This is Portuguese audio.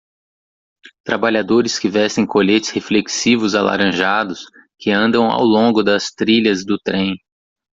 Trabalhadores que vestem coletes reflexivos alaranjados que andam ao longo das trilhas do trem.